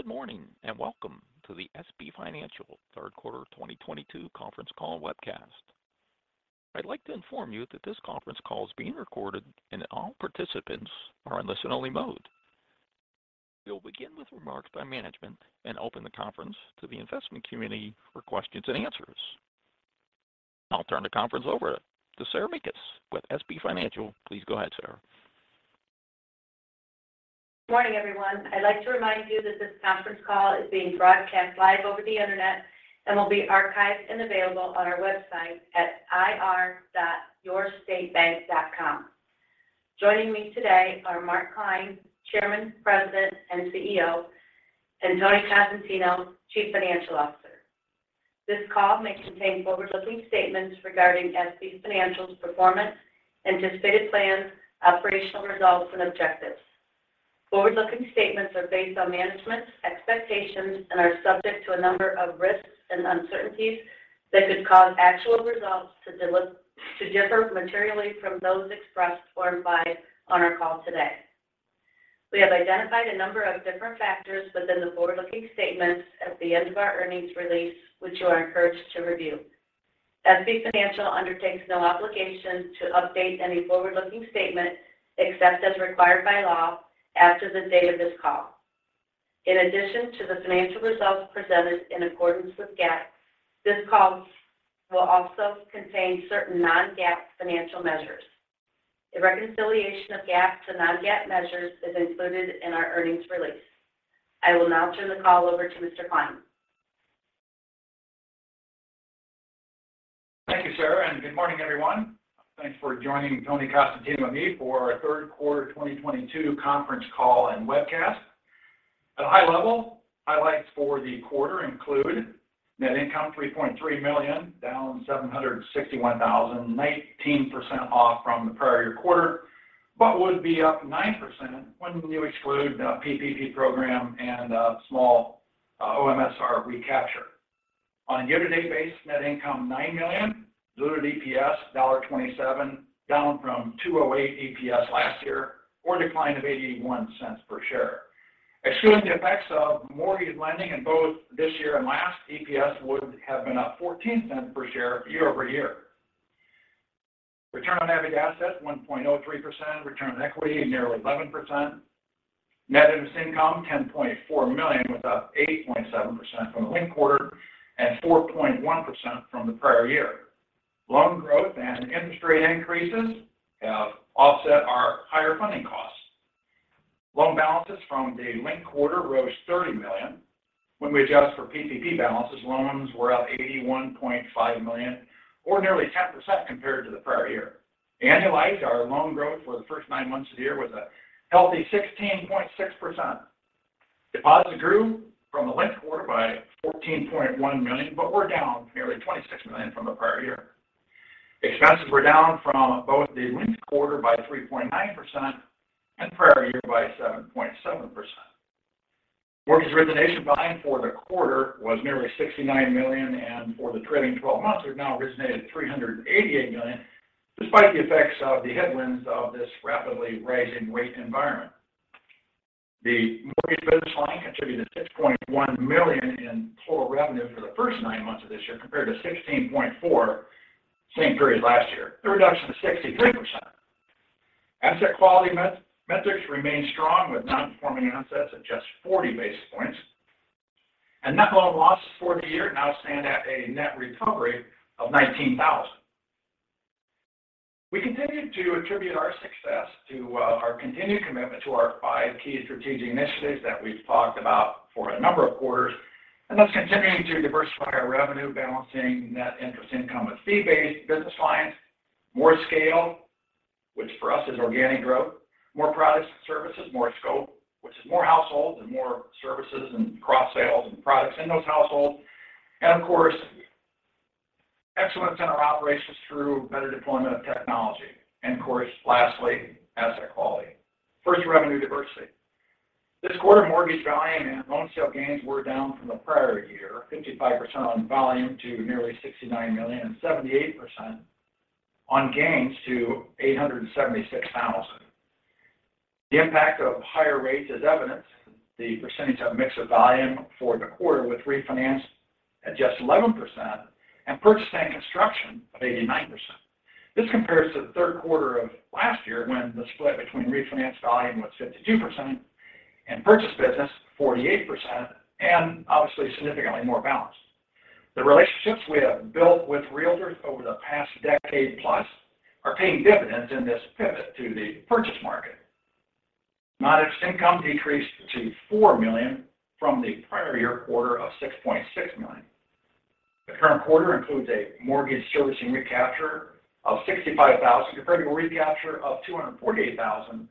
Good morning, and welcome to the SB Financial third quarter 2022 conference call webcast. I'd like to inform you that this conference call is being recorded and all participants are in listen only mode. We'll begin with remarks by management and open the conference to the investment community for questions and answers. I'll turn the conference over to Sarah Mekus with SB Financial. Please go ahead, Sarah. Morning, everyone. I'd like to remind you that this conference call is being broadcast live over the internet, and will be archived and available on our website at ir.yourstatebank.com. Joining me today are Mark Klein, Chairman, President, and CEO, and Tony Cosentino, Chief Financial Officer. This call may contain forward-looking statements regarding SB Financial's performance, anticipated plans, operational results, and objectives. Forward-looking statements are based on management's expectations and are subject to a number of risks and uncertainties that could cause actual results to differ materially from those expressed or implied on our call today. We have identified a number of different factors within the forward-looking statements at the end of our earnings release, which you are encouraged to review. SB Financial undertakes no obligation to update any forward-looking statement, except as required by law after the date of this call. In addition to the financial results presented in accordance with GAAP, this call will also contain certain non-GAAP financial measures. A reconciliation of GAAP to non-GAAP measures is included in our earnings release. I will now turn the call over to Mr. Klein. Thank you, Sarah, and good morning, everyone. Thanks for joining Tony Cosentino and me for our third quarter 2022 conference call and webcast. At a high level, highlights for the quarter include net income $3.3 million, down $761,000, 19% off from the prior year quarter, but would be up 9% when you exclude the PPP program and a small OMSR recapture. On a year-to-date basis, net income $9 million, diluted EPS $1.27, down from $2.08 EPS last year, or a decline of $0.81 per share. Excluding the effects of mortgage lending in both this year and last, EPS would have been up $0.14 per share year-over-year. Return on average assets 1.03%. Return on equity nearly 11%. Net interest income, $10.4 million, was up 80.7% from the linked quarter and 4.1% from the prior year. Loan growth and interest rate increases have offset our higher funding costs. Loan balances from the linked quarter rose $30 million. When we adjust for PPP balances, loans were up $81.5 million, or nearly 10% compared to the prior year. Annualized, our loan growth for the first nine months of the year was a healthy 16.6%. Deposits grew from the linked quarter by $14.1 million, but were down nearly $26 million from the prior year. Expenses were down from both the linked quarter by 3.9% and prior year by 7.7%. Mortgage origination volume for the quarter was nearly $69 million, and for the trailing twelve months, we've now originated $388 million, despite the effects of the headwinds of this rapidly rising rate environment. The mortgage business line contributed $6.1 million in total revenue for the first nine months of this year, compared to $16.4 million same period last year, a reduction of 63%. Asset quality metrics remain strong with non-performing assets at just 40 basis points. Net loan loss for the year now stand at a net recovery of $19,000. We continue to attribute our success to our continued commitment to our five key strategic initiatives that we've talked about for a number of quarters, and that's continuing to diversify our revenue, balancing net interest income with fee-based business lines. More scale, which for us is organic growth. More products and services, more scope, which is more households and more services and cross-sales and products in those households. Of course, excellence in our operations through better deployment of technology. Of course, lastly, asset quality. First, revenue diversity. This quarter, mortgage volume and loan sale gains were down from the prior year, 55% on volume to nearly $69 million and 78% on gains to $876,000. The impact of higher rates is evident. The percentage of mix of volume for the quarter, with refinance at just 11% and purchase and construction of 89%. This compares to the third quarter of last year when the split between refinance volume was 52% and purchase business 48%, and obviously significantly more balanced. The relationships we have built with realtors over the past decade plus are paying dividends in this pivot to the purchase market. Non-interest income decreased to $4 million from the prior year quarter of $6.6 million. The current quarter includes a mortgage servicing recapture of $65,000 compared to a recapture of $248,000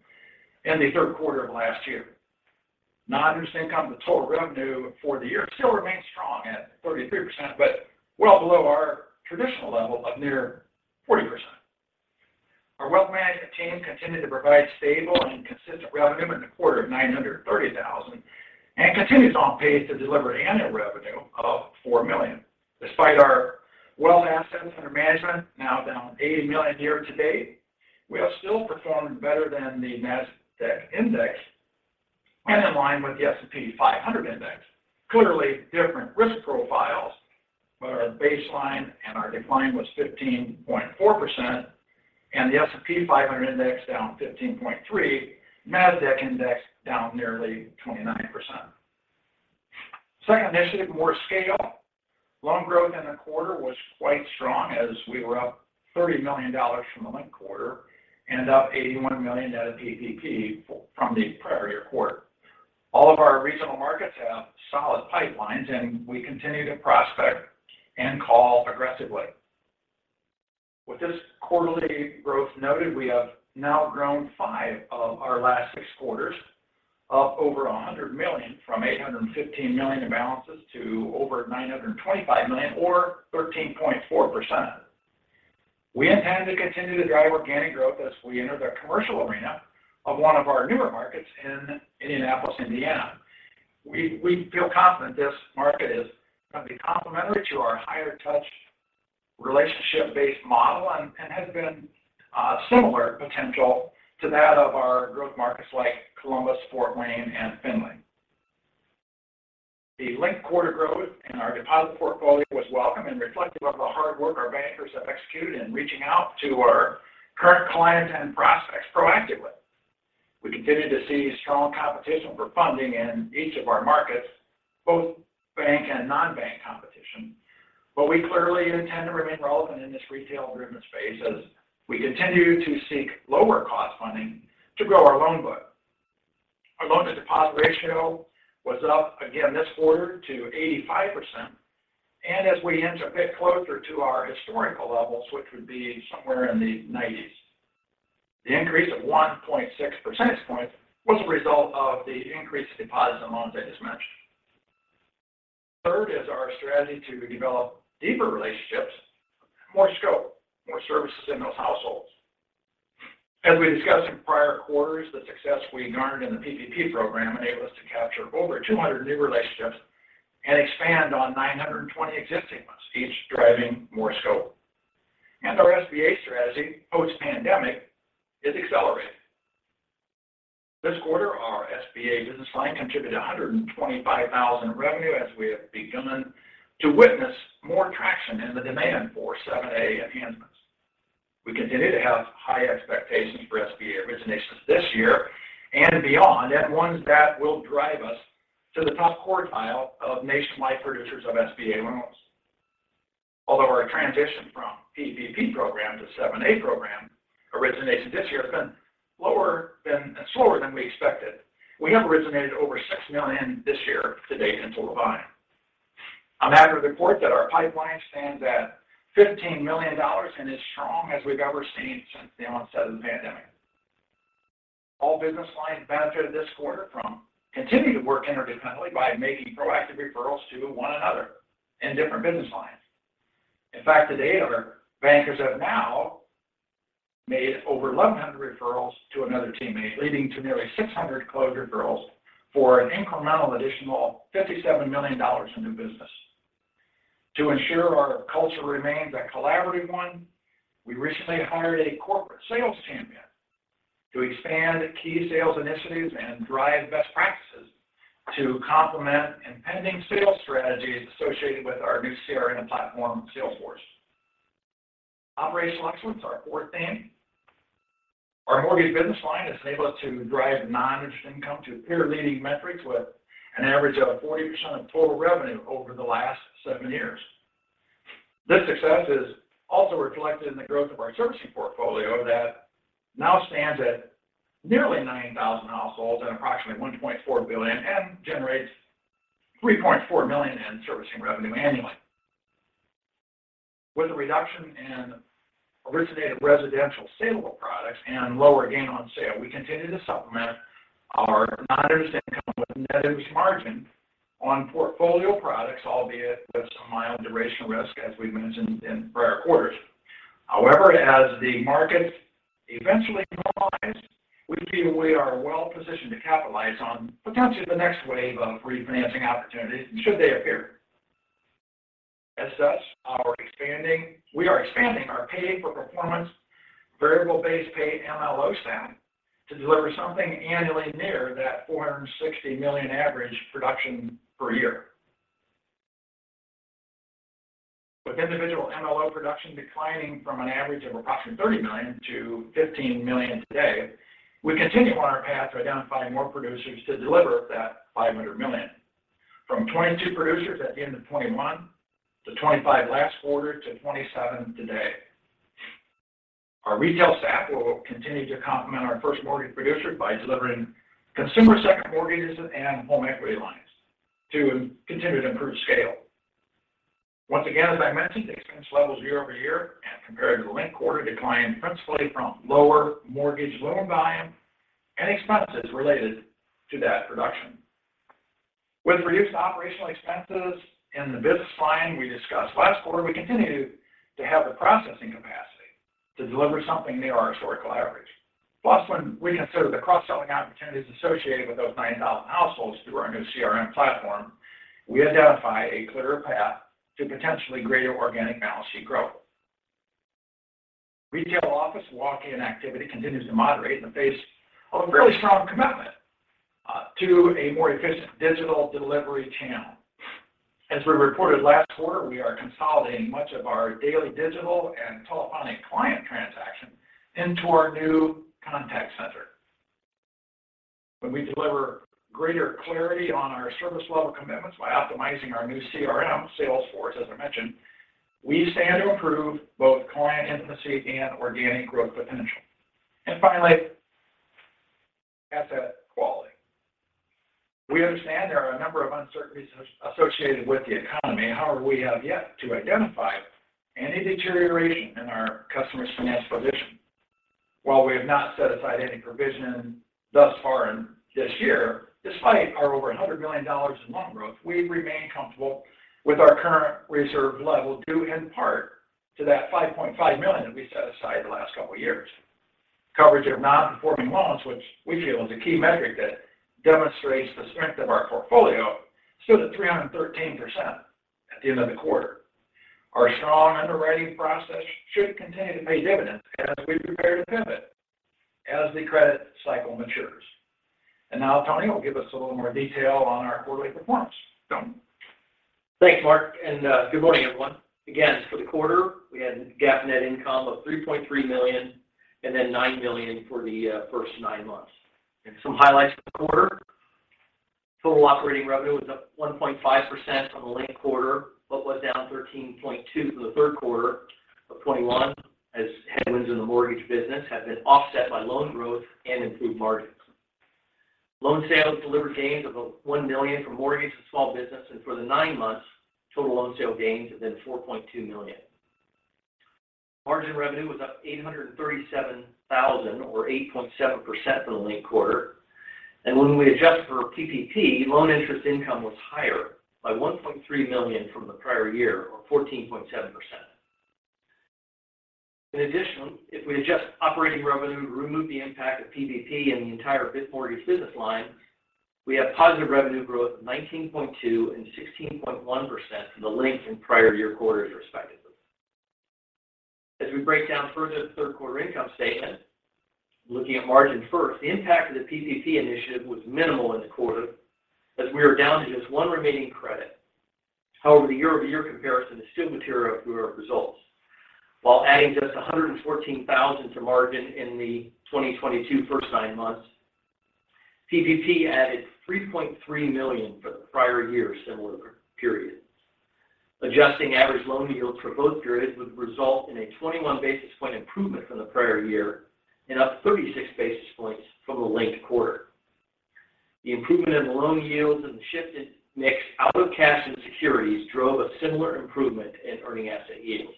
in the third quarter of last year. Non-interest income, the total revenue for the year still remains strong at 33%, but well below our traditional level of near 40%. Our wealth management team continued to provide stable and consistent revenue in the quarter of $930,000, and continues on pace to deliver annual revenue of $4 million. Despite our wealth assets under management now down $80 million year to date, we have still performed better than the Nasdaq Index and in line with the S&P 500 Index. Clearly different risk profiles, but our baseline and our decline was 15.4%, and the S&P 500 Index down 15.3%, Nasdaq Index down nearly 29%. Second initiative, more scale. Loan growth in the quarter was quite strong as we were up $30 million from the linked quarter and up $81 million net of PPP from the prior year quarter. All of our regional markets have solid pipelines, and we continue to prospect and call aggressively. With this quarterly growth noted, we have now grown five of our last six quarters, up over $100 million from $815 million in balances to over $925 million or 13.4%. We intend to continue to drive organic growth as we enter the commercial arena of one of our newer markets in Indianapolis, Indiana. We feel confident this market is going to be complementary to our higher touch relationship-based model, and has been similar potential to that of our growth markets like Columbus, Fort Wayne and Findlay. The linked quarter growth in our deposit portfolio was welcome and reflective of the hard work our bankers have executed in reaching out to our current clients and prospects proactively. We continue to see strong competition for funding in each of our markets, both bank and non-bank competition. We clearly intend to remain relevant in this retail-driven space as we continue to seek lower cost funding to grow our loan book. Our loan-to-deposit ratio was up again this quarter to 85%, and as we inch a bit closer to our historical levels, which would be somewhere in the 90s. The increase of 1.6 percentage points was a result of the increased deposits and loans I just mentioned. Third is our strategy to develop deeper relationships, more scope, more services in those households. As we discussed in prior quarters, the success we garnered in the PPP program enabled us to capture over 200 new relationships and expand on 920 existing ones, each driving more scope. Our SBA strategy post-pandemic is accelerating. This quarter, our SBA business line contributed $125,000 in revenue as we have begun to witness more traction in the demand for 7(a) enhancements. We continue to have high expectations for SBA originations this year and beyond, and ones that will drive us to the top quartile of nationwide producers of SBA loans. Although our transition from PPP program to 7(a) program origination this year has been slower than we expected, we have originated over $6 million this year to date in total volume. I'm happy to report that our pipeline stands at $15 million and as strong as we've ever seen since the onset of the pandemic. All business lines benefited this quarter from continued work interdependently by making proactive referrals to one another in different business lines. In fact, to date, our bankers have now made over 1,100 referrals to another teammate, leading to nearly 600 closed referrals for an incremental additional $57 million in new business. To ensure our culture remains a collaborative one, we recently hired a corporate sales champion to expand key sales initiatives and drive best practices to complement impending sales strategies associated with our new CRM platform, Salesforce. Operational excellence, our fourth theme. Our mortgage business line has enabled us to drive non-interest income to peer-leading metrics with an average of 40% of total revenue over the last seven years. This success is also reflected in the growth of our servicing portfolio that now stands at nearly 9,000 households and approximately $1.4 billion, and generates $3.4 million in servicing revenue annually. With a reduction in originated residential saleable products and lower gain on sale, we continue to supplement our non-interest income with net interest margin on portfolio products, albeit with some mild duration risk, as we've mentioned in prior quarters. However, as the market eventually normalizes, we feel we are well positioned to capitalize on potentially the next wave of refinancing opportunities should they appear. As such, we are expanding our pay-for-performance variable base pay MLO staff to deliver something annually near that $460 million average production per year. With individual MLO production declining from an average of approximately $30 million to $15 million today, we continue on our path to identifying more producers to deliver that $500 million. From 22 producers at the end of 2021, to 25 last quarter, to 27 today. Our retail staff will continue to complement our first mortgage producer by delivering consumer second mortgages and home equity lines to continue to improve scale. Once again, as I mentioned, expense levels year over year and compared to the linked quarter declined principally from lower mortgage loan volume and expenses related to that production. With reduced operational expenses in the business line we discussed last quarter, we continue to have the processing capacity to deliver something near our historical average. Plus, when we consider the cross-selling opportunities associated with those 9,000 households through our new CRM platform, we identify a clearer path to potentially greater organic balance sheet growth. Retail office walk-in activity continues to moderate in the face of a fairly strong commitment to a more efficient digital delivery channel. As we reported last quarter, we are consolidating much of our daily digital and telephonic client transactions into our new contact center. When we deliver greater clarity on our service level commitments by optimizing our new CRM, Salesforce, as I mentioned, we stand to improve both client intimacy and organic growth potential. Finally, asset quality. We understand there are a number of uncertainties associated with the economy. However, we have yet to identify any deterioration in our customers' financial position. While we have not set aside any provision thus far in this year, despite our over $100 million in loan growth, we remain comfortable with our current reserve level, due in part to that $5.5 million that we set aside the last couple of years. Coverage of non-performing loans, which we feel is a key metric that demonstrates the strength of our portfolio, stood at 313% at the end of the quarter. Our strong underwriting process should continue to pay dividends as we prepare to pivot as the credit cycle matures. Now Tony will give us a little more detail on our quarterly performance. Tony? Thanks, Mark, and good morning, everyone. Again, for the quarter, we had GAAP net income of $3.3 million and then $9 million for the first nine months. Some highlights for the quarter. Total operating revenue was up 1.5% from the linked quarter, but was down 13.2% for the third quarter of 2021 as headwinds in the mortgage business have been offset by loan growth and improved margins. Loan sales delivered gains of $1 million from mortgage to small business, and for the nine months, total loan sale gains have been $4.2 million. Margin revenue was up $837,000 or 8.7% for the linked quarter. When we adjust for PPP, loan interest income was higher by $1.3 million from the prior year or 14.7%. In addition, if we adjust operating revenue to remove the impact of PPP and the entire mortgage business line, we have positive revenue growth of 19.2% and 16.1% for the linked and prior year quarters, respectively. As we break down further the third quarter income statement, looking at margin first, the impact of the PPP initiative was minimal in the quarter as we are down to just one remaining credit. However, the year-over-year comparison is still material to our results. While adding just $114,000 to margin in the 2022 first nine months, PPP added $3.3 million for the prior year similar period. Adjusting average loan yields for both periods would result in a 21 basis point improvement from the prior year and up 36 basis points from the linked quarter. The improvement in the loan yields and the shift in mix out of cash and securities drove a similar improvement in earning asset yields.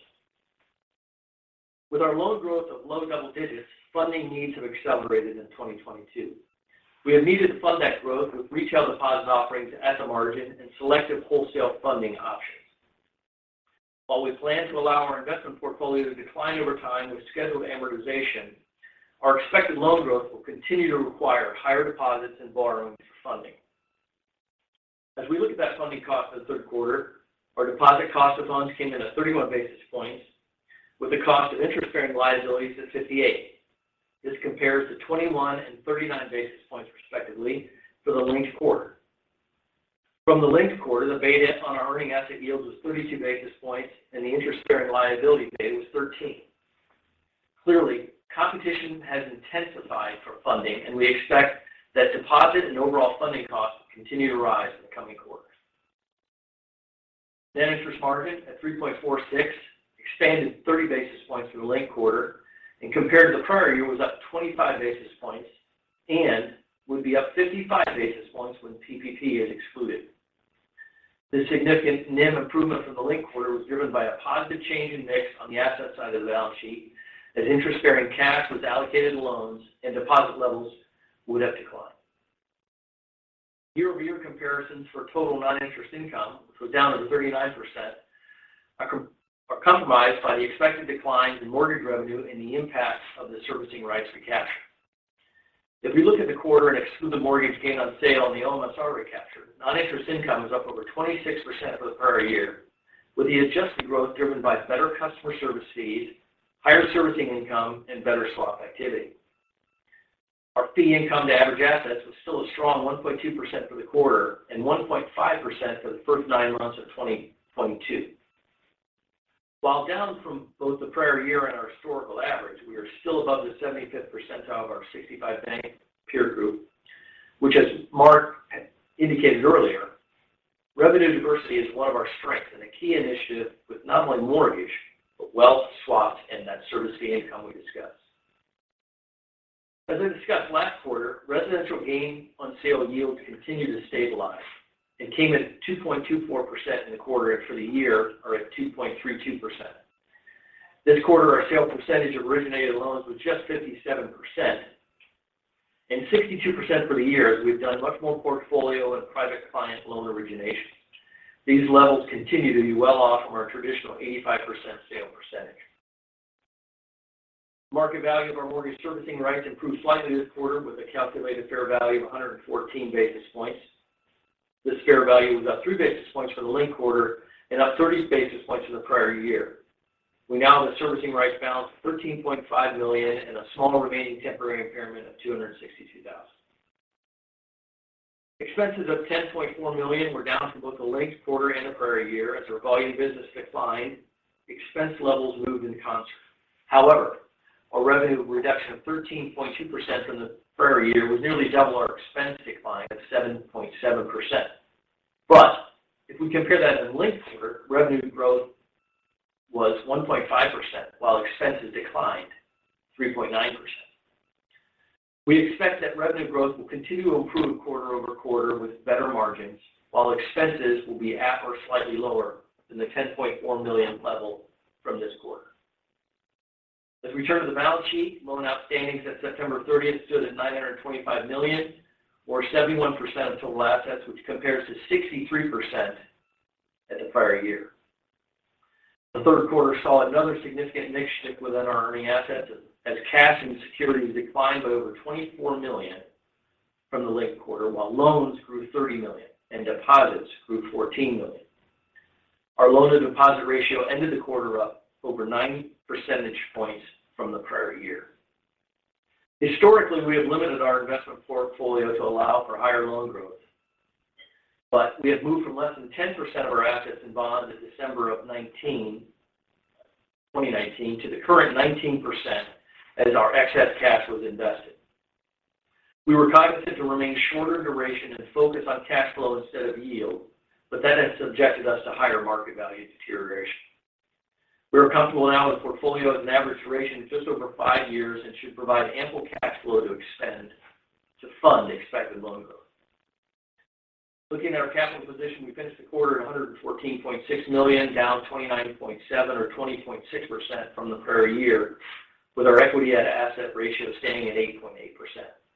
With our loan growth of low double digits, funding needs have accelerated in 2022. We have needed to fund that growth with retail deposit offerings at the margin and selective wholesale funding options. While we plan to allow our investment portfolio to decline over time with scheduled amortization, our expected loan growth will continue to require higher deposits and borrowings for funding. As we look at that funding cost in the third quarter, our deposit cost of funds came in at 31 basis points, with the cost of interest-bearing liabilities at 58. This compares to 21 and 39 basis points, respectively, for the linked quarter. From the linked quarter, the beta on our earning asset yields was 32 basis points, and the interest-bearing liability beta was 13. Clearly, competition has intensified for funding, and we expect that deposit and overall funding costs will continue to rise in the coming quarters. Net interest margin at 3.46% expanded 30 basis points from the linked quarter, and compared to the prior year, was up 25 basis points and would be up 55 basis points when PPP is excluded. This significant NIM improvement from the linked quarter was driven by a positive change in mix on the asset side of the balance sheet as interest-bearing cash was allocated to loans and deposit levels would have declined. Year-over-year comparisons for total non-interest income, which was down over 39%, are compromised by the expected declines in mortgage revenue and the impact of the servicing rights recapture. If we look at the quarter and exclude the mortgage gain on sale and the OMSR recapture, non-interest income is up over 26% for the prior year, with the adjusted growth driven by better customer service fees, higher servicing income, and better swap activity. Our fee income to average assets was still a strong 1.2% for the quarter and 1.5% for the first nine months of 2022. While down from both the prior year and our historical average, we are still above the 75% of our 65-bank peer group, which as Mark indicated earlier, revenue diversity is one of our strengths and a key initiative with, not only mortgage, but wealth, swaps, and that servicing income we discussed. As I discussed last quarter, residential gain on sale yields continue to stabilize and came in at 2.24% in the quarter and for the year are at 2.32%. This quarter, our sale percentage of originated loans was just 57%. 62% for the year, we've done much more portfolio and private client loan origination. These levels continue to be well off from our traditional 85% sale percentage. Market value of our mortgage servicing rights improved slightly this quarter with a calculated fair value of 114 basis points. This fair value was up 3 basis points for the linked quarter and up 30 basis points for the prior year. We now have a servicing rights balance of $13.5 million and a small remaining temporary impairment of $262,000. Expenses of $10.4 million were down from both the linked quarter and the prior year. As our volume business declined, expense levels moved in concert. However, our revenue reduction of 13.2% from the prior year was nearly double our expense decline of 7.7%. If we compare that to the linked quarter, revenue growth was 1.5%, while expenses declined 3.9%. We expect that revenue growth will continue to improve quarter-over-quarter with better margins, while expenses will be at or slightly lower than the $10.4 million level from this quarter. As we turn to the balance sheet, loans outstanding at September 30th stood at $925 million, or 71% of total assets, which compares to 63% at the prior year. The third quarter saw another significant mix shift within our earning assets as cash and securities declined by over $24 million from the linked quarter, while loans grew $30 million and deposits grew $14 million. Our loan-to-deposit ratio ended the quarter up over 9 percentage points from the prior year. Historically, we have limited our investment portfolio to allow for higher loan growth, but we have moved from less than 10% of our assets in bonds in December of 2019 to the current 19% as our excess cash was invested. We were cognizant to remain shorter duration and focus on cash flow instead of yield, but that has subjected us to higher market value deterioration. We are comfortable now with portfolio as an average duration just over five years and should provide ample cash flow to fund expected loan growth. Looking at our capital position, we finished the quarter at $114.6 million, down $29.7 million or 20.6% from the prior year, with our equity to asset ratio staying at 8.8%.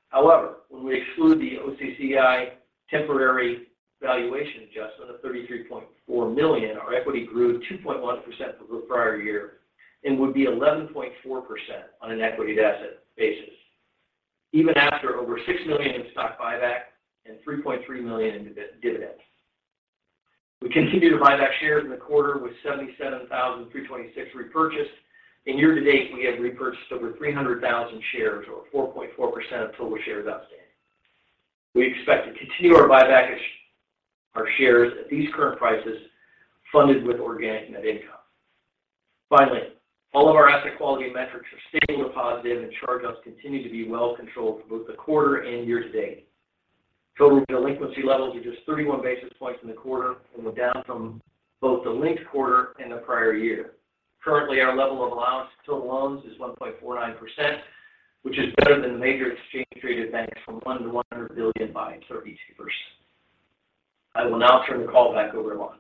However, when we exclude the AOCI temporary valuation adjustment of $33.4 million, our equity grew 2.1% over the prior year and would be 11.4% on an equity to asset basis even after over $6 million in stock buyback and $3.3 million in dividends. We continued to buy back shares in the quarter with 77,326 repurchased. In year to date, we have repurchased over 300,000 shares or 4.4% of total shares outstanding. We expect to continue our buyback of our shares at these current prices funded with organic net income. Finally, all of our asset quality metrics are stable and positive, and charge-offs continue to be well controlled for both the quarter and year to date. Total delinquency levels are just 31 basis points in the quarter and were down from both the linked quarter and the prior year. Currently, our level of allowance to loans is 1.49%, which is better than the major exchange-traded banks from $1 billion-$100 billion by 32%. I will now turn the call back over to Mark.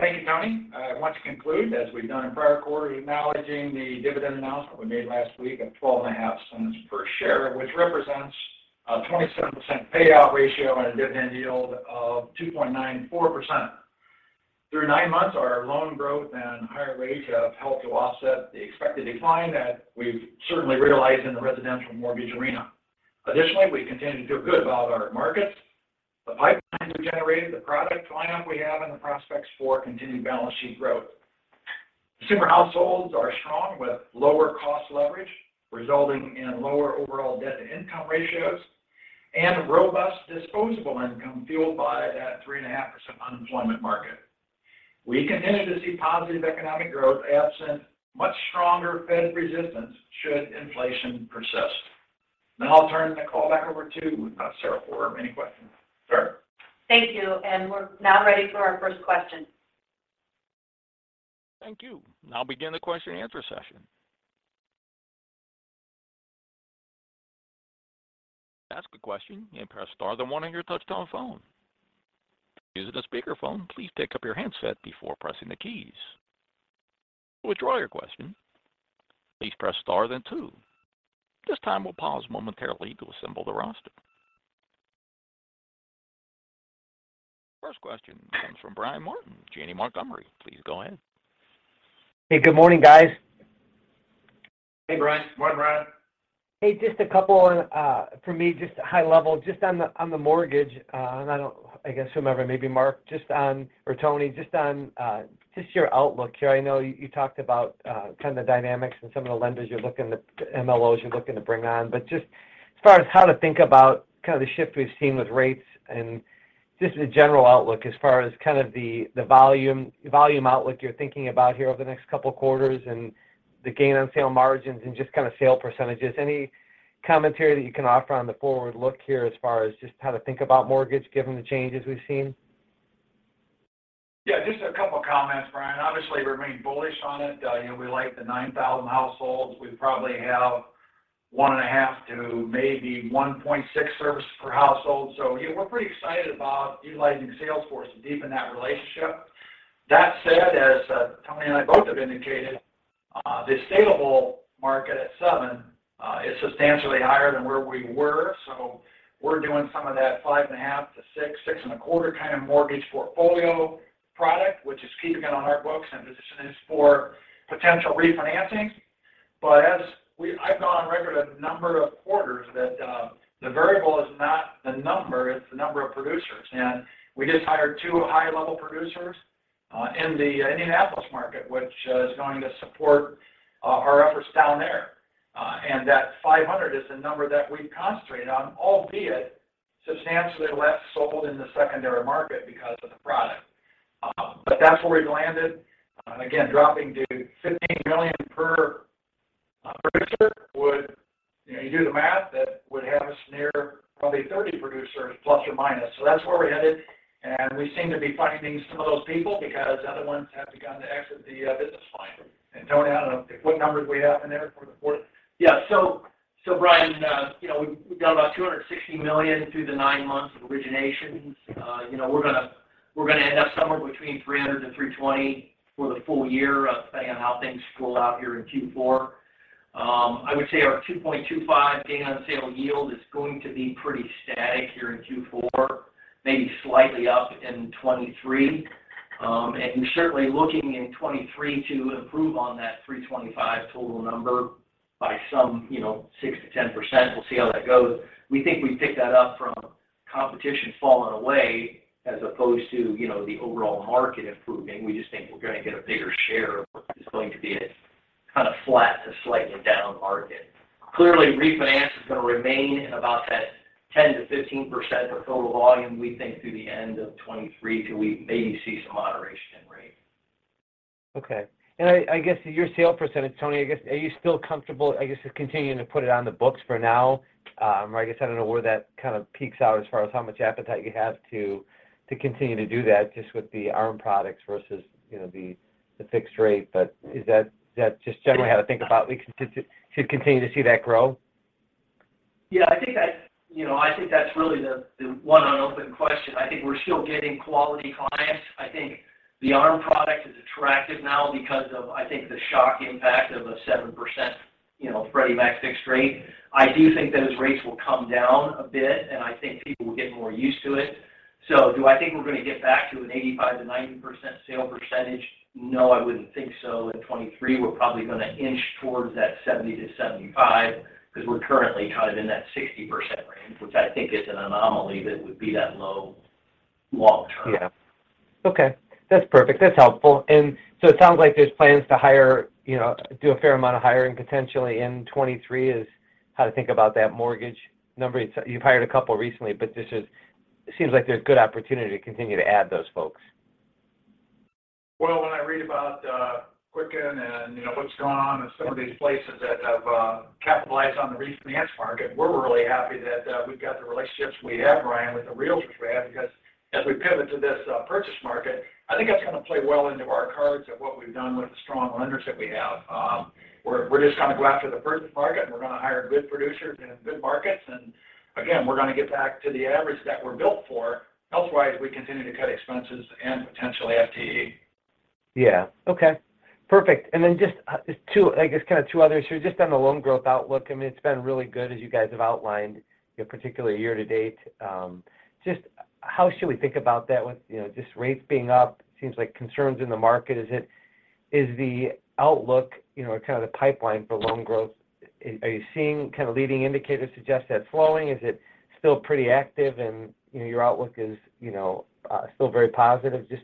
Thank you, Tony. I want to conclude, as we've done in prior quarters, acknowledging the dividend announcement we made last week of $0.125 per share, which represents a 27% payout ratio and a dividend yield of 2.94%. Through nine months, our loan growth and higher rates have helped to offset the expected decline that we've certainly realized in the residential mortgage arena. Additionally, we continue to feel good about our markets, the pipelines we've generated, the product lineup we have, and the prospects for continued balance sheet growth. Consumer households are strong with lower cost leverage, resulting in lower overall debt-to-income ratios and robust disposable income fueled by that 3.5% unemployment market. We continue to see positive economic growth absent much stronger Fed resistance should inflation persist. Now I'll turn the call back over to Sarah for any questions. Sarah. Thank you. We're now ready for our first question. Thank you. I'll begin the question and answer session. To ask a question, you may press star then one on your touch-tone phone. If you're using a speakerphone, please pick up your handset before pressing the keys. To withdraw your question, please press star then two. At this time, we'll pause momentarily to assemble the roster. First question comes from Brian Martin, Janney Montgomery Scott. Please go ahead. Hey, good morning, guys. Hey, Brian. Morning, Brian. Hey, just a couple for me, just high level, just on the mortgage. I guess whomever, maybe Mark, or Tony, just on your outlook here. I know you talked about kind of the dynamics and some of the MLOs you're looking to bring on. But, just as far as how to think about kind of the shift we've seen with rates and just the general outlook as far as kind of the volume outlook you're thinking about here over the next couple of quarters and the gain on sale margins and just kind of sale percentages. Any commentary that you can offer on the forward look here as far as just how to think about mortgage given the changes we've seen? Yeah, just a couple of comments, Brian. Obviously, we remain bullish on it. You know, we like the 9,000 households. We probably have 1.5 to maybe 1.6 services per household. You know, we're pretty excited about utilizing Salesforce to deepen that relationship. That said, as Tony and I both have indicated, the saleable market at 7% is substantially higher than where we were. We're doing some of that 5.5%-6%, 6.25% kind of mortgage portfolio product, which is keeping it on our books, and this is for potential refinancing. I've gone on record a number of quarters that the variable is not the number, it's the number of producers. We just hired two high-level producers in the Indianapolis market, which is going to support our efforts down there. That $500 million is the number that we concentrate on, albeit substantially less sold in the secondary market because of the product. That's where we've landed. Again, dropping to $15 million per producer would, you know, you do the math, that would have us near probably 30 +/- producers. That's where we're headed, and we seem to be finding some of those people because other ones have begun to exit the business line. Tony, I don't know what numbers we have in there for the quarter. Yeah. Brian, you know, we've done about $260 million through the nine months of originations. You know, we're gonna end up somewhere between $300 million and $320 million for the full year, depending on how things roll out here in Q4. I would say our 2.25 gain on sale yield is going to be pretty static here in Q4, maybe slightly up in 2023. Certainly looking in 2023 to improve on that $325 million total number by some, you know, 6%-10%. We'll see how that goes. We think we pick that up from competition falling away as opposed to, you know, the overall market improving. We just think we're gonna get a bigger share of what is going to be a kind of flat to slightly down market. Clearly, refinance is going to remain in about that 10%-15% of total volume, we think, through the end of 2023 till we maybe see some moderation in rates. Okay. I guess your sale percentage, Tony, I guess, are you still comfortable, I guess, just continuing to put it on the books for now? Or I guess I don't know where that kind of peaks out as far as how much appetite you have to continue to do that just with the ARM products versus, you know, the fixed rate. But is that just generally how to think about we should continue to see that grow? Yeah, I think that's, you know, I think that's really the one unopened question. I think we're still getting quality clients. I think the ARM product is attractive now because of, I think, the shock impact of a 7%, you know, Freddie Mac fixed rate. I do think those rates will come down a bit, and I think people will get more used to it. Do I think we're going to get back to an 85%-90% sale percentage? No, I wouldn't think so. In 2023, we're probably going to inch towards that 70%-75% because we're currently kind of in that 60% range, which I think is an anomaly that would be that low long term. Yeah. Okay. That's perfect. That's helpful. It sounds like there's plans to hire, you know, do a fair amount of hiring potentially in 2023, is how to think about that mortgage number. You've hired a couple recently, but this is, it seems like there's good opportunity to continue to add those folks. Well, when I read about Quicken and, you know, what's going on in some of these places that have capitalized on the refinance market, we're really happy that we've got the relationships we have, Brian, with the realtors we have. Because as we pivot to this purchase market, I think that's gonna play well into our cards of what we've done with the strong lenders that we have. We're just gonna go after the purchase market, and we're gonna hire good producers in good markets. Again, we're gonna get back to the average that we're built for. Otherwise, we continue to cut expenses and potentially FTE. Yeah. Okay. Perfect. Just two, I guess, kind of two other issues. Just, on the loan growth outlook, I mean, it's been really good as you guys have outlined, you know, particularly year to date. Just, how should we think about that with, you know, just rates being up, seems like concerns in the market. Is the outlook, you know, kind of the pipeline for loan growth, are you seeing kind of leading indicators suggest that's slowing? Is it still pretty active, and, you know, your outlook is, you know, still very positive? Just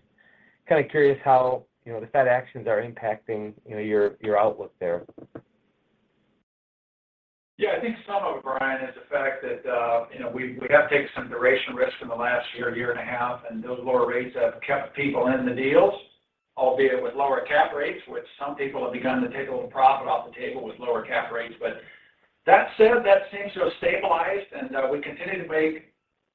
kinda curious how, you know, the Fed actions are impacting, you know, your outlook there. Yeah. I think some of it, Brian, is the fact that, you know, we have taken some duration risk in the last year and a half, and those lower rates have kept people in the deals, albeit with lower cap rates, which some people have begun to take a little profit off the table with lower cap rates. That said, that seems to have stabilized, and we continue to make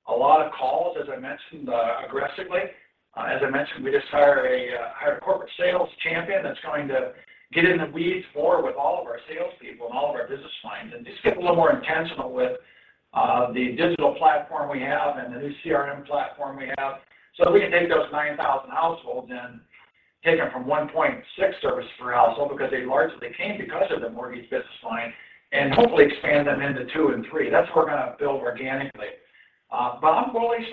a lot of calls, as I mentioned, aggressively. As I mentioned, we just hired a corporate sales champion that's going to get in the weeds more with all of our sales people and all of our business lines and just get a little more intentional with the digital platform we have and the new CRM platform we have. We can take those 9,000 households and take them from 1.6 serviced per household because they largely came because of the mortgage business line and hopefully expand them into two and three. That's where we're gonna build organically. I'm bullish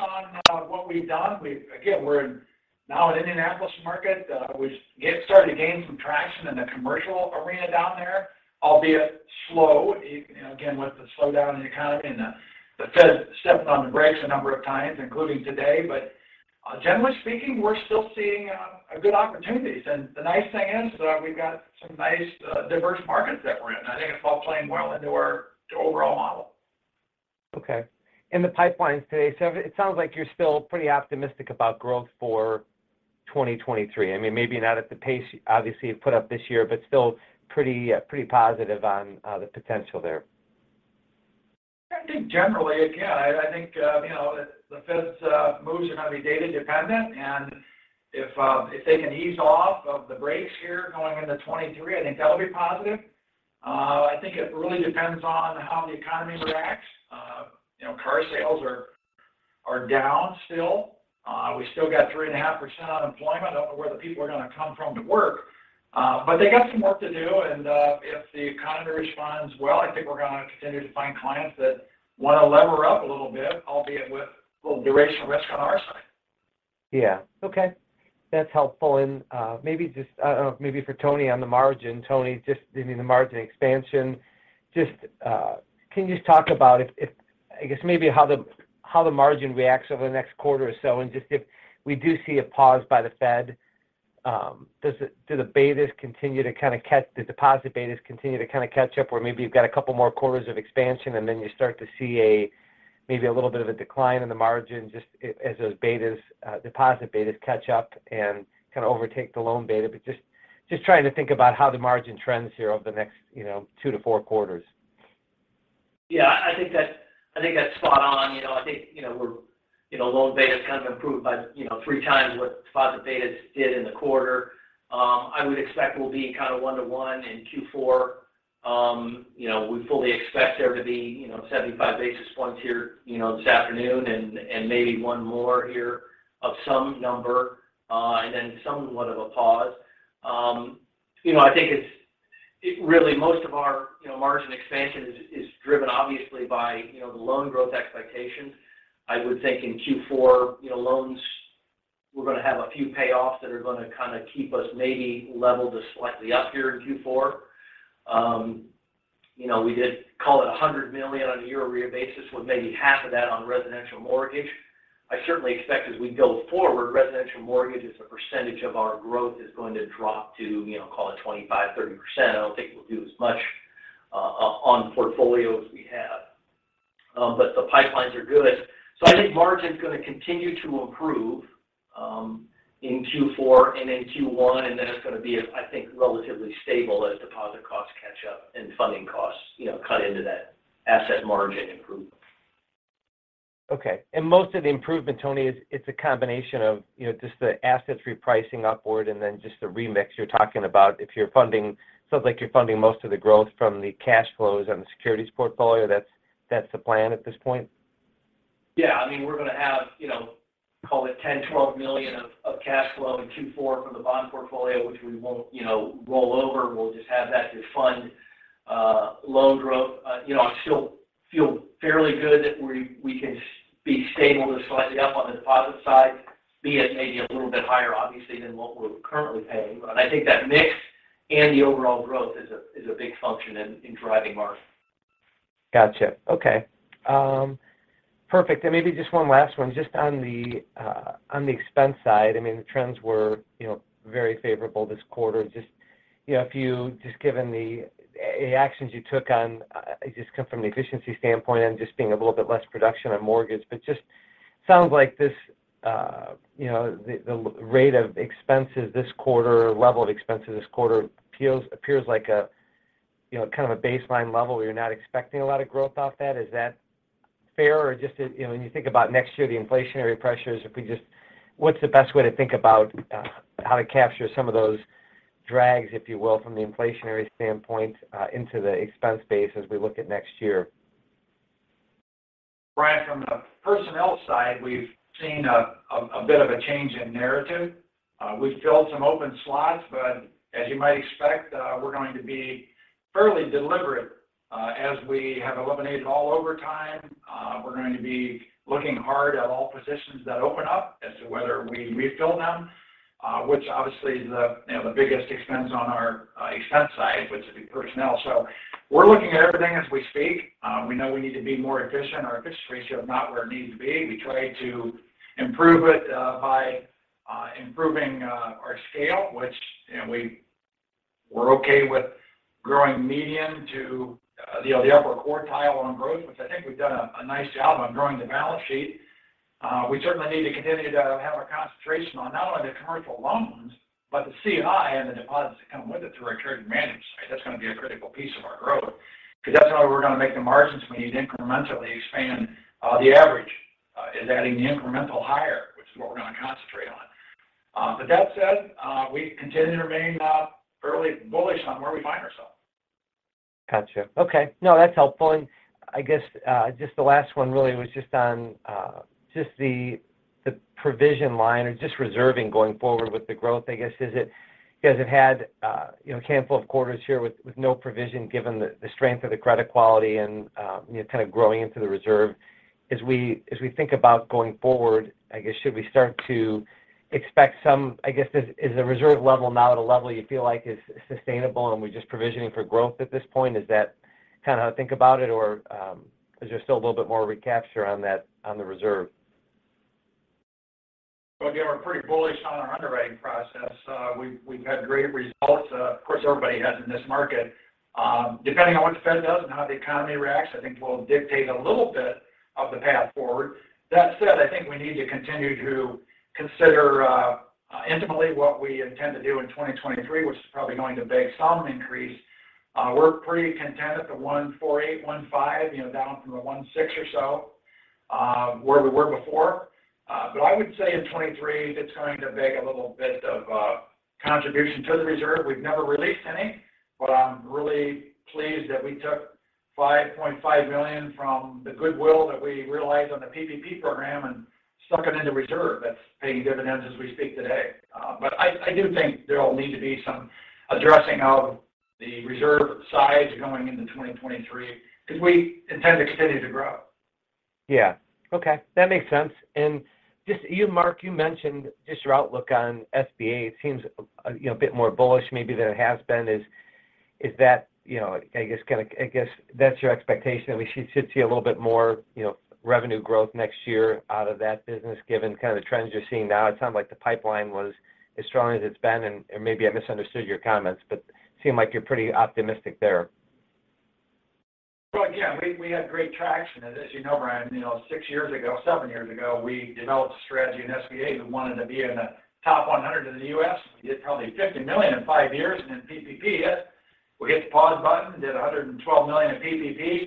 on what we've done. Again, we're now in the Indianapolis market. We've started to gain some traction in the commercial arena down there, albeit slow, you know, again, with the slowdown in the economy and the Fed stepped on the brakes a number of times, including today. Generally speaking, we're still seeing good opportunities. The nice thing is that we've got some nice diverse markets that we're in. I think it's all playing well into our overall model. Okay. In the pipeline today, it sounds like you're still pretty optimistic about growth for 2023. I mean, maybe not at the pace obviously you've put up this year, but still pretty positive on the potential there. I think generally, again, I think, you know, the Fed's moves are gonna be data dependent. If they can ease off of the brakes here going into 2023, I think that'll be positive. I think it really depends on how the economy reacts. Car sales are down still. We still got 3.5% unemployment. Don't know where the people are gonna come from to work. But they got some work to do. If the economy responds well, I think we're gonna continue to find clients that wanna lever up a little bit, albeit with a little duration risk on our side. Yeah. Okay. That's helpful. Maybe just, maybe for Tony on the margin. Tony, just maybe the margin expansion. Just, can you just talk about if I guess maybe how the, how the margin reacts over the next quarter or so, and just if we do see a pause by the Fed, does it do the betas continue to kind of the deposit betas continue to kind of catch up, or maybe you've got a couple more quarters of expansion, and then you start to see a maybe a little bit of a decline in the margin just as those betas, deposit betas catch up and kind of overtake the loan beta. But just trying to think about how the margin trends here over the next, you know, two to four quarters. Yeah. I think that's spot on. You know, I think, you know, we're, you know, loan betas kind of improved by, you know, 3x what deposit betas did in the quarter. I would expect we'll be kind of 1-to-1 in Q4. You know, we fully expect there to be, you know, 75 basis points here, you know, this afternoon and maybe one more here of some number, and then somewhat of a pause. You know, I think it really most of our, you know, margin expansion is driven obviously by, you know, the loan growth expectation. I would think in Q4, you know, loans we're gonna have a few payoffs that are gonna kind of keep us maybe level to slightly up here in Q4. You know, we did call it $100 million on a year-over-year basis, with maybe 1/2 of that on residential mortgage. I certainly expect as we go forward, residential mortgage as a percentage of our growth is going to drop to, you know, call it 25%-30%. I don't think we'll do as much on portfolio as we have. The pipelines are good. I think margin's gonna continue to improve in Q4 and in Q1, and then it's gonna be a, I think, relatively stable as deposit costs catch up and funding costs, you know, cut into that asset margin improvement. Okay. Most of the improvement, Tony, is it's a combination of, you know, just the assets repricing upward and then just the remix you're talking about. Sounds like you're funding most of the growth from the cash flows on the securities portfolio. That's the plan at this point? Yeah. I mean, we're gonna have, you know, call it $10 million-$12 million of cash flow in Q4 from the bond portfolio, which we won't, you know, roll over. We'll just have that to fund loan growth. You know, I still feel fairly good that we can be stable to slightly up on the deposit side, be it maybe a little bit higher, obviously, than what we're currently paying. I think that mix and the overall growth is a big function in driving margin. Gotcha. Okay. Perfect. Maybe just one last one. Just on the expense side, I mean, the trends were, you know, very favorable this quarter. Just, you know, if you just given the any actions you took on, I guess just from an efficiency standpoint and just being a little bit less production on mortgage, but just sounds like this, you know, the rate of expenses this quarter or level of expenses this quarter appears like a, you know, kind of a baseline level, where you're not expecting a lot of growth off that. Is that fair? Just as, you know, when you think about next year, the inflationary pressures, what's the best way to think about how to capture some of those drags, if you will, from the inflationary standpoint, into the expense base as we look at next year? Brian, from the personnel side, we've seen a bit of a change in narrative. We've filled some open slots, but as you might expect, we're going to be fairly deliberate, as we have eliminated all overtime. We're going to be looking hard at all positions that open up as to whether we refill them, which obviously is, you know, the biggest expense on our expense side, which would be personnel. We're looking at everything as we speak. We know we need to be more efficient. Our efficiency ratio is not where it needs to be. We try to improve it by improving our scale, which, you know, we're okay with growing median to, you know, the upper quartile on growth, which I think we've done a nice job on growing the balance sheet. We certainly need to continue to have a concentration on not only the commercial loans, but the C&I and the deposits that come with it through our trade management side. That's gonna be a critical piece of our growth, because that's how we're gonna make the margins. We need to incrementally expand the average is adding the incremental higher, which is what we're gonna concentrate on. That said, we continue to remain fairly bullish on where we find ourselves. Gotcha. Okay. No, that's helpful. I guess just the last one really was just on the provision line or just reserving going forward with the growth, I guess, is it. You guys have had, you know, a handful of quarters here with no provision given the strength of the credit quality and, you know, kind of growing into the reserve. As we think about going forward, I guess, should we start to expect some. I guess is the reserve level now at a level you feel like is sustainable, and we're just provisioning for growth at this point? Is that kind of how to think about it? Or, is there still a little bit more recapture on that, on the reserve? Well, again, we're pretty bullish on our underwriting process. We've had great results. Of course, everybody has in this market. Depending on what the Fed does and how the economy reacts, I think will dictate a little bit of the path forward. That said, I think we need to continue to consider intently what we intend to do in 2023, which is probably going to be some increase. We're pretty content at the 1.48%-1.5%, you know, down from the 1.6% or so, where we were before. I would say in 2023, it's going to make a little bit of contribution to the reserve. We've never released any, but I'm really pleased that we took $5.5 million from the goodwill that we realized on the PPP program and stuck it into reserve. That's paying dividends as we speak today. I do think there will need to be some addressing of the reserve size going into 2023 because we intend to continue to grow. Yeah. Okay. That makes sense. Just you, Mark, you mentioned just your outlook on SBA. It seems a, you know, a bit more bullish maybe than it has been. Is that, you know, I guess kinda. I guess that's your expectation that we should see a little bit more, you know, revenue growth next year out of that business, given kind of the trends you're seeing now. It sounded like the pipeline was as strong as it's been, and maybe I misunderstood your comments, but it seemed like you're pretty optimistic there. Well, again, we had great traction. As you know, Brian, you know, six years ago, seven years ago, we developed a strategy in SBA. We wanted to be in the top 100 in the U.S. We did probably $50 million in five years. Then PPP hit. We hit the pause button and did $112 million in PPP.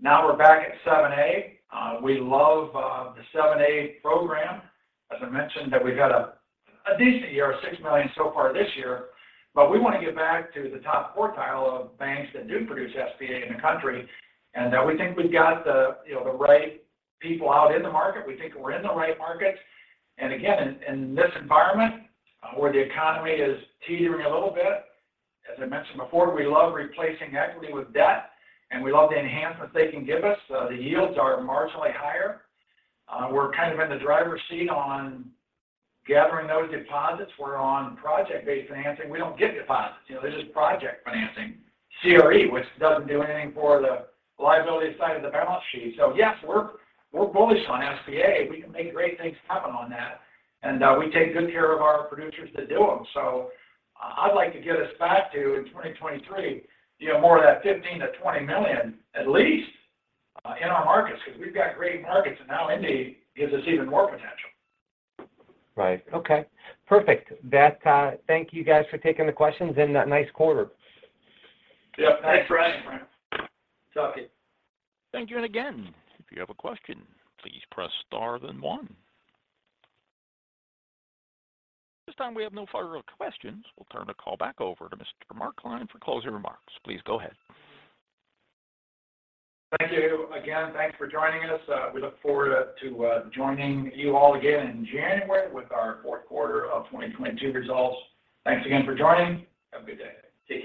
Now we're back at 7(a). We love the 7(a) program, as I mentioned, that we've had a decent year, $6 million so far this year. We want to get back to the top quartile of banks that do produce SBA in the country, and that we think we've got the, you know, the right people out in the market. We think we're in the right market. Again, in this environment where the economy is teetering a little bit, as I mentioned before, we love replacing equity with debt, and we love the enhancement they can give us. The yields are marginally higher. We're kind of in the driver's seat on gathering those deposits. We're on project-based financing. We don't get deposits. You know, this is project financing. CRE, which doesn't do anything for the liability side of the balance sheet. Yes, we're bullish on SBA. We can make great things happen on that. We take good care of our producers that do them. I'd like to get us back to, in 2023, you know, more of that $15 milion-$20 million at least, in our markets, because we've got great markets, and now Indy gives us even more potential. Right. Okay. Perfect. Thank you guys for taking the questions and that nice quarter. Yeah. Thanks, Brian. Talk to you. Thank you. Again, if you have a question, please press star then one. At this time, we have no further questions. We'll turn the call back over to Mr. Mark Klein for closing remarks. Please go ahead. Thank you. Again, thanks for joining us. We look forward to joining you all again in January with our fourth quarter of 2022 results. Thanks again for joining. Have a good day. Take care.